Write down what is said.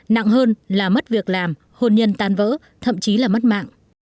nặng hơn là mất việc làm hồn nhân tan vỡ thậm chí là mất mạng